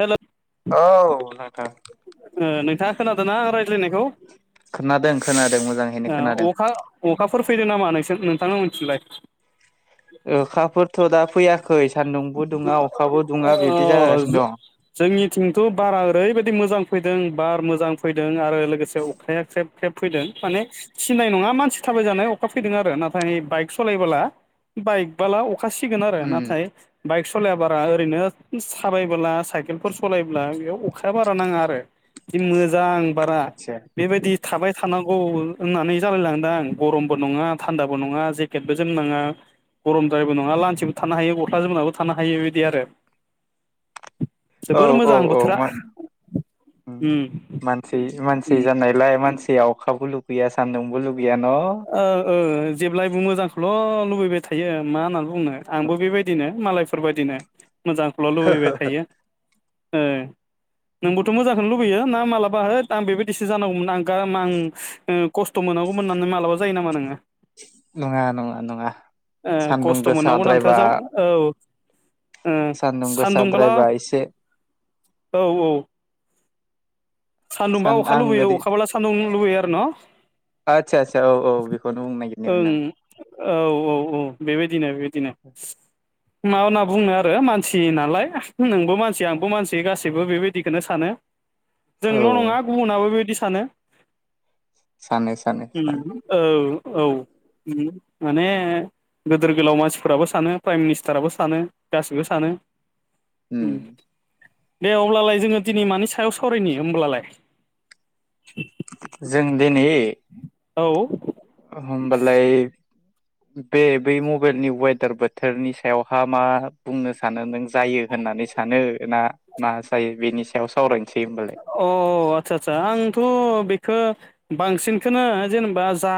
हेल' ओ औ नोंथां नोंथाङा खोनादों ना आं रायज्लायनायखौ खोनादों खोनादों मोजाङैनो ओ खोनादों। अखा अखाफोर फैदों नामा नोंसोर नो थां मौनथि लाय अखाफोरथ' दा फैया बिदि ओ जागासिनो दं। जोंनिथिंथ' बारा ओरैबायदि मोजां फैदों बार मोजां फैदों आरो लोगोसे अखाया ख्रेब ख्रेब फैदों माने सिनाय नङा मानसि थाबायजानाय अखा फैदों आरो नाथाय बाइक सालायबोला बाइक बोला अखासिगोन आरो नाथाय बाइक सलाया बारा ओरैनो साबायबोला साइकेलफोर सलायोब्ला बेयाव अखाया बारा नाङा आरो जि मोजां मोजां बारा आतसा बेबायदि थाबाय थानांगौ होननानै जालायलांदों आं गरमबो नङा थान्दाबो नङा जेकेटबो जोमनाङा गरमद्रायबो नङा लान्सिबो थानो हायो गस्ला जोमनाबो थानो हायो बेबायदि आरो औ जोबोर औ मोजां औ बोथोरा मा ओम मानसि मानसि जानायलाय मानसि आ अखाबो लुगैया सान्दुंबो लुगै ओं ओ [unintelligible] जेब्लायबो मोजांखौल' लुबैबाय थायो मा होना बुंनो आंबो बेबायदिनो मालायफोरबायदिनो मोजांखौल' लुबैबाय थायो ओ नोंबोथ' मोजांखौनो लुबैयो ना मालाबा होत आं बेबायदिसो जानांगौमोन आं [unintelligible] ओ खस्थ' मोनागौ मोननानै मालाबाज जायो नामा नोङो? नङा नङा नङा ओ सानदुं खस्थ' मोननांगौ होननानैथ' गोसाद्रायबा जा औ ओ सान्दुं सानदुंबोला गोसाद्रायबा इसे औ औ सान्दुंबा सान अखा आं लुबैयो ओरै अखाब्ला सान्दुं लुबैयो आरो न' आदसा आदसा औ औ बेखौनो बुंनो ओं नागिरनामोन आं। औ औ औ बेबायदिनो बे दिनो मा होनना बुङो आरो मानसि नालाय नोंबो मानसि आंबो मानसि गासैबो बेबायदिखोनो सानो। औ जोंल' नङा गुबुनाबो बिदि सानो सानो सानो उम औ औ उम माने गोदोर गोलाव मानसिफोराबो सानो प्राइम मिनिस्टाराबो सानो गासिबो सानो। उम दे अब्लालाय जोङो दिनै मानि सायाव सावरायनि? होमब्लालाय जों दिनै औ होमबालाय बे बै मबेलनि वेदार बोथोरनि सायावहा मा बुंनो सानो नों जायो होननानै सानो ना मा जायो बेनि सायाव सावरायनोसै होमबालाय अ आतसा आतसा आंथ' बेखो बांसिनखोनो जेनेबा जा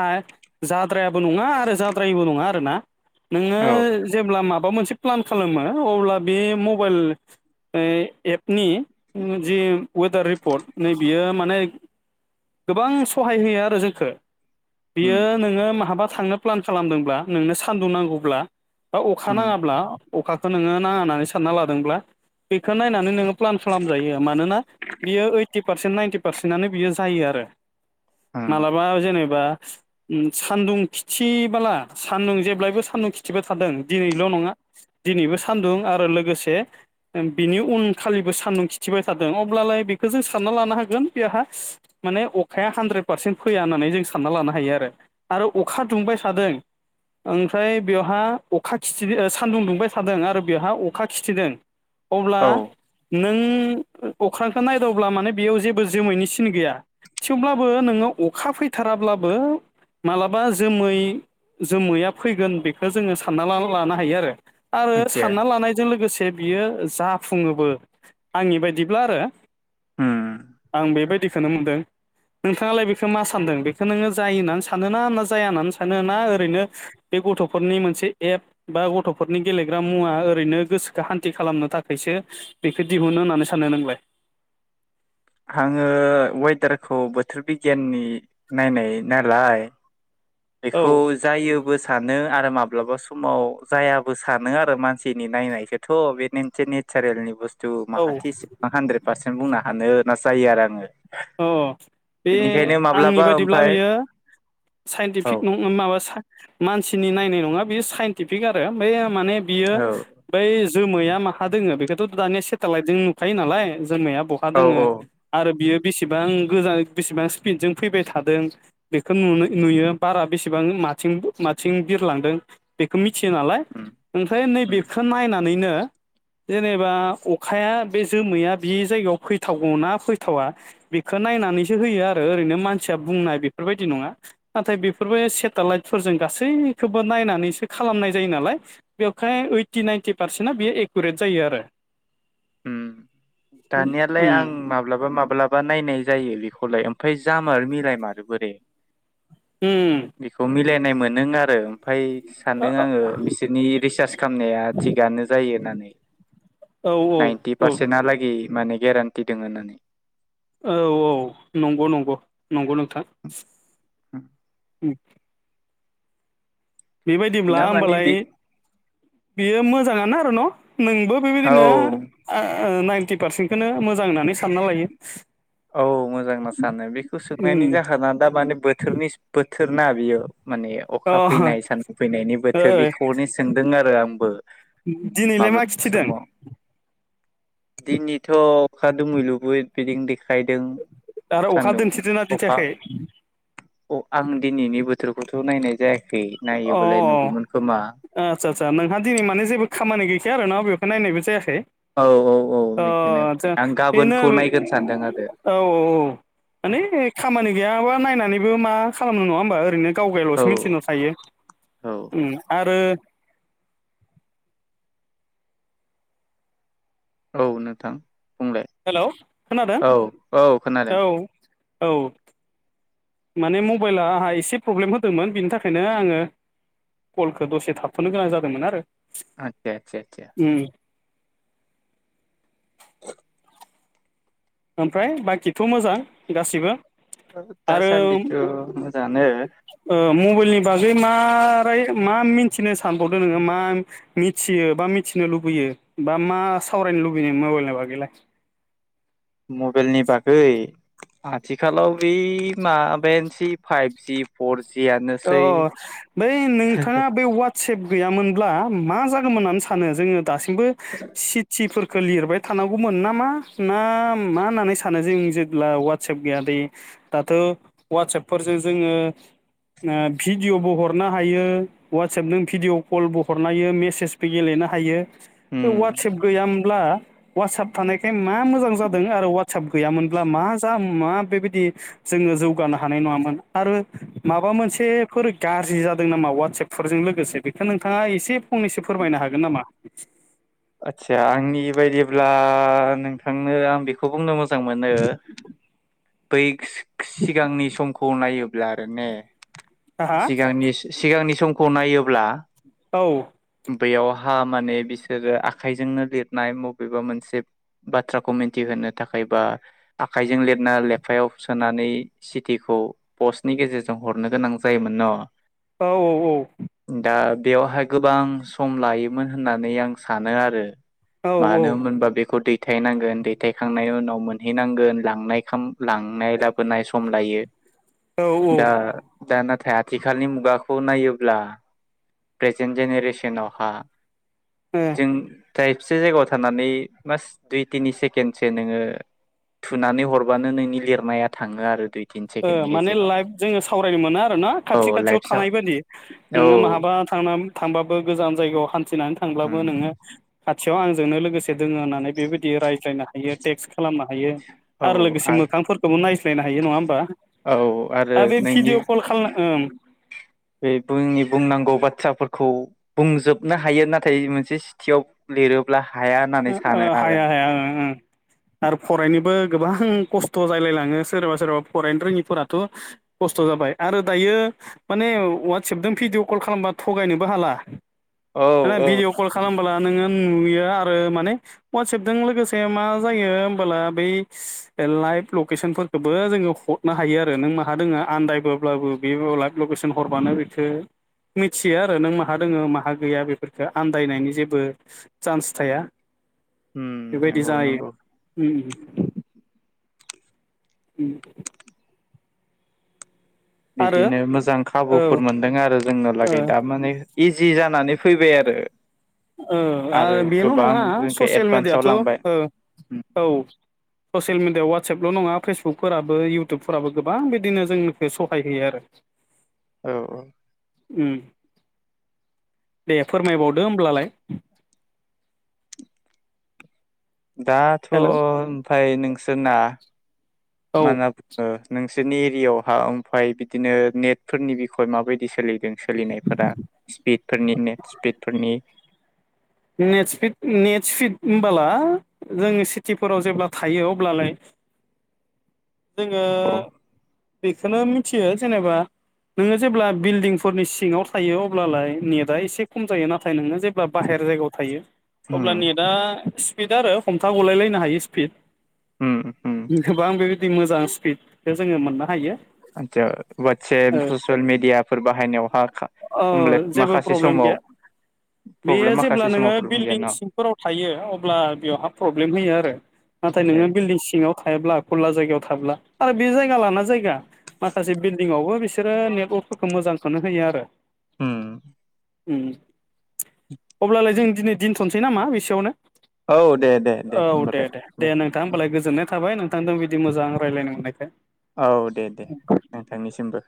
जाद्रायाबो नङा आरो जाद्रायबो नङा आरोना। नोङो औ जेब्ला माब बा मोनसे प्लान खालामो अब्ला बे मबाइल ओ एपनि उम जि वेदार रिपर्ट नै बियो माने गोबां सहाय होयो आरो जोखो। बियो उम नोङो माहाबा थांनो प्लान खालामदोंब्ला नोंनो सान्दुं नांगौब्ला बा अखा उम नाङाब्ला अखाखो नोङो नाङा होननानै सानना लादोंब्ला बेखौ नायनानै नोङो मानोन आ बियो ओइथि पारसेन्ट नाइनटि पारसेन्टनो बियो जायो आरो मालाबा जेनेबा उम सान्दुं खिथि बाला सान्दुं जेब्लायबो सान्दुं खिथिबाय थादों दिनैल' नङा दिनैबो सान्दुं आरो लोगोसे बिनि उन खालिबो सान्दुं खि थिबाय थादों अब्लालाय बेखौ जों सानना लानो हागोन बेहा माने अखाया हानद्रेद पारसेन्ट फैया होननानै जों सानना लानो हायो आरो आरो अखा दुंबाय थादों ओमफ्राय बेवहा अखा खिथि सानदुं दुंबाय थादों आरो बेहा अखा खिथिदों अब्ला औ नो ओं अख्रांखो नायदावब्ला माने बेयाव जेबो जोमैनि सिन गैया थेवब्लाबो नोङो अखा फैथाराब्लाबो मालाबा जोमै जोमैया फैगोन बेखो जोङो सानना लानो हायो आरो आरो मिथियो सानना लानायजों लोगोसे बियो जाफुङोबो आंनि बायदिब्ला आरो उम आं बेबायदिखोनो नुदों नोंथाङालाय बेखो मा सानदों बेखो नोङो जायो होननानै सान सानोना ना जाया होननानै सानो ना ओरैनो बे गथ'फोरनि मोनसे एप बा गथ'फोरनि गेलेग्रा मुवा ओरैनो गोसोखौ हान्थि खालामनो थाखायसो बेखो दिहुनो होननानै सानो नोंलाय आङो वेदारखौ बोथोर बिगियाननि नायनाय नालाय औ बेखौ जायोबो सा नो आरो माब्लाबा समाव जायाबो सानो आरो मानसिनि नायनायखौथ' बे मोनसे नेचारेलनि बुस थु औ माहाथि इस हानद्रेद पार्सेन बुंनो हानो ना जायो आरो आङो अ बे बेनिखायनो आंनि माब्लाबा बादिब्ला ओमफाय बियो औ साइन्टिफिक नं माबा सा मानसि नि नायनाय नङा बेयो साइन्टिफिक आरो बै माने बियो औ बै जोमैया माहा दोङो बेखौथ' दानिया सेटेलाइट जों नुखायो नालाय जोमैया बहा औ दोङो औ आरो बियो बिसेबां गोजान बिसेबां स्पिडजों फैबाय थादों बेखौ नुनो नुयो बारा बेसेबां माथिं माथिं बिरलांदों बेखौ मि थियो नालाय उम ओमफ्राय नै उम बेेखौ नायना नैनो जेनेबा अखाया बे जोमैया बे जायगायाव फैथावगौना फैथावा बिखो नायनानैसो होयो आरो ओरैनो मानसिया बुंनाय बेफोरबायदि नङा नाथाय बेफोरबो सेटेलाइटफोरजों गासैखौबो नायनानैसो खालामनाय जायो नालाय बेवहाय ओइटि नाइनटि पारसेन्टआ बेयो एकुरेट जायो आरो ओम दानियालाय उम आं माब्लाबा माब माब्लाबा नायनाय जायो बेखौलाय ओमफ्राय जामारो मिलायमारो बोरै? उम बेखौ मिलाय नाय मोनो आरो ओमफाय सान्दों आङो बिसोरनि रिसार्च खालामनाया थिगानो जायो होननानै बै औ नाइन्टि औ पारसेन्टालागि माने गेरेन्टि दोङो होननानै औ औ नंगौ नंगौ नंगौ नोंथां हम उम बेबायदिब्ला ना माने ओमबालाय बे बेयो मोजाङानो आरो न' नोंबो औ बेबायदिनो ओ नाइनटि पारसेन्टखौनो मोजां होननानै सानना लायो। औ मोजांना सानो बेखौ सोंनायनि उम जाहोना दा माने बोथोरनि थोरना बियो माने अखा अ फैनाय सानदुं फैनायनि ओ बोथोर बेखौनो सोंदों आरो आंबो दिनैलाय मा माब्ला खिथिदों समाव दिनैथ' अखा दुमहैलुबो बिदिनो देखाय खायदों आरो अखा सान्दुं दोनथेदोंना अखा दिन्थियाखै अ आं दिनैनि बो गिदिरखौथ' नायनाय जायाखै अ नायोबालाय नुगौमोन खोमा आतसा आदसा नोंहा दिनै माने जेबो खामानि गै खाया आरो ना बेखौ नायबो जायाखै औ औ औ अ बिदिनो आदबा आं बेनो गाबोनखौ नायगोन सानदों आरो औ औ औ माने खामानि गैयाबा नायनानै बेबो मा खालाम नङा होनबा ओरैनो औ गावगाल'सो मिथिनो थायो। औ उम आ आरो औ नोंथां बुंलाय हेलौ खोनादों औ औ खोनादों औ औ माने मबाइला आंहा एसे प्रब्लेम होदोंमोन बिनि थाखायनो आङो कलखौ दसे थाबथ'नो गोनां जादोंमोन आरो। आतसा आतसा आतसा उम ओमफ्राय बाखिथ' मोजां गासिबो ओ आरो दासान्दिथ' मोजांयानो ओ मबाइलनि बागै मारै मा राय मिथिनो सानबावदों नोङो मा मिथियो बा मिथिनो लुबैयो बा मा सावरायनो लुबैयो मबाइलनि बागैलाय मबाइलनि बागै आथिखालाव बे माबायानोसै फाइभजि फरजि अ बै नोंथाङा बे वा सेभ गैयामोनब्ला मा जागौमोन होनानै सानो जोङो। दासिमबो सिटिफोर खो लिरबाय थानांगौमोन नामा ना मा ना होननानै सानो जों जेब्ला वाटसाप गैया दे दाथ' वाटसापफोरजों जोङो ओ भिडिअ'बो हरनो हायो ववाटसपजों भिडिअ कलबो हरनो हायो मेसेजबो गेलेनो हायो। बे उम वाटसेप गैयामोनब्ला वासाप थानायखाय मा मोजां जादों आरो वा साब गैयामोनब्ला मा जा मा बेबायदि जोङो जौगानो हानाय नङामोन आरो माबा मोनस सेफोर गाज्रि जादों नामा वाटसपफोरजों लोगोसे बेखौ नोंथाङा एसे फंनैसो फोरमायनो हागोन नामा? आतसा आंनि बायदि अब्ला नोंथांनो आं बेखौ बुंनो मोज जां मोनो बै खोस सिगांनि समखौ नायो ब्ला आरो ने हा सिगांनिस सिगांनि समखौ नायोब्ला औ बैयावहा माने बिसोरो आखाइजोंनो लिरनाय बबेबा मोनसे बाथ्राखौ मिन्थिहोनो थाखाय बा आखाइजों लिरना लेफायाव सोनानै सिटिखौ पस्टनि गेजेरजों हरनो गोनां जायोमोन न'। औ औ औ दा बेयावहाय गोबां सम लायोमोन होननानै आं सानो आरो। औ मानो मोनबा बेखौ दै थायनांगोन दैथायखांनायनि उनाव मोनहैनांगोन लांनाय खाम लांनाय लाबोनाय सम लायो। औ औ दा दा नाथाय आथिखालनि मुगाखौ नायोब्ला प्रेजेन्ट जेनेरेसनावहा ओ जों थ्रायबसे जायगायाव थानानै बास दुइ तिनि सेकेण्डसो नोङो थुनानै हरबानो नोंनि लिरनाया थाङो आरो दोय ओ माने लाइफ जोङो सावरायनो मोनो आरो ना औ खाथि खाथियाव लाइफस थानाय बायदि औ नोङो महाबा थांना थांबाबो गोजान जायगायाव हान थिनानै उम थांब्लाबो नोङो खाथियाव आंजोंनो लोगोसे ए दोङो होननानै बेबायदि रायज्लायनो हायो टेक्स खालामनो हायो औ आरो आ लोगोसे मोखांफोरखोबो नाय नायनो हायो नङा होमबा। औ आरो बे नोंनि भिडिअ कल खालामनो बे बोंनि बुंनांगौ बाथ्रा फोरखौ बुंजोबनो हायो नाथाय मोनसे सिटियाव लिरोब्ला हाया होननानै ओ सानो ओम आरो हाया आं हाया ओं आरो फरायनोबो गोबां खस्थ' जायलायलाङो सोरबा सोरबा फरायनो रोङिफोराथ' खस्थ' जाबाय आरो दायो माने वाटसपजों भिडिअ' कल खालामबा थगायनोबो हाला औ [unintelligible] औ भिदिअ' कल खालामबोला नोङो नुयो आ ओ माने वाटसेएपजों लोगोसे मा जायो होमबोला बै लाइभ लकेसनफोरखौबो जोङो हरनो हायो आरो नों माहा दोङो आनन्दायबोब्लाबो बे लाइभ लकेसन हरबानो बेखौ मिथियो आरो नों माहा दोङो माहा गैया बेफोरखौ आन्दायनायनि जेबो चान्स थाया उम बेबायदि नंगौ जायो नंगौ ओम ओम उम आरो बिदिनो मोजां औ खाबुफोर मोनदों आरो जोंनो ओ लागै दा माने इजि जानानै फैबाय आरो ओ आरो बेल' गोबां नङा जोंखौ ससियेल एडभान्सआव मिडियाथ' लांबाय ओ औ ससियेल मिडिया वा वाटसेपल' नङा फेसबुकफोराबो इउटुबफोराबो गोबां बिदिनो जोंनिखौ सहाय होयो आरो औ औ ओम दे फोरमायबावदो होमब्लालाय दाथ' हेल' ओमफाय नोंसोरना औ मा [unintelligible] नोंस नि एरियावहा ओमफाय बिदिनो नेटफोरनि बिखय माबायदि सोलिदों? सोलिनायफोरा स्पिडफोरनि नेट स्पिडफोरनि नेट स्पिड नेट स्पिड होमबोला जोङो सिटिफोराव जेब्ला थायो अब्लालाय जोङो औ बेखौनो मिथियो जेनेबा नोङो जेब्ला बिल्डिंफोरनि सिङाव थायो अब्लालाय नेटआ एसे खम जायो नाथाय नोङो जेब्ला बाहेर जायगायाव थायो अब्ला उम नेदा स्पिड आरो हमथा गलायलायनो हायो स्पिड उम गोबां बेबायदि मोजां पिद आदचा ववाटसेप ससियेल मिडियाफोर बाहायनायावहा औ होमब्ला जेबो माखासे समाव प्रब्लेम माखा अब्ला नोङो बिल्डिं सिंफोराव थायो अब्ला बेयावहा प्रब्लेम होयो आरो नाथाय आदसा नोङो आदसा बिल्डिं सिङाव थायाब्ला खुला जायगायाव थाब्ला आरो बे जायगा लाना जायगा माखासे बिल्दिंआवबो बेसे बिसोरो नेटवर्कफोरखौ मोजांखौनो होयो आरो उम उम [inaudible] अब्लालाय जों दिनै दिनथ'नोसै नामा बेसेयावनो औ दे दे औ दे होमबालाय दे दे नोंथां होमबालाय गोजोननाय थाबाय नों थांदों बिदि मोजां रायलायनो मोननायखाय औ दे दे नोंथांनिसिमबो